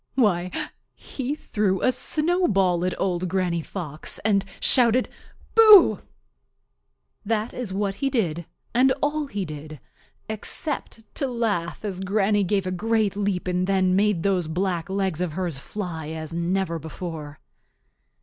Why, he threw a snowball at Old Granny Fox and shouted "Boo!" That is what he did and all he did, except to laugh as Granny gave a great leap and then made those black legs of hers fly as never before.